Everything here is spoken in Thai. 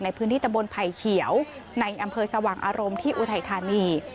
ในพื้นที่ตะบนไผ่เขียวในอำเภอสว่างอารมณ์ที่อุทัยธานี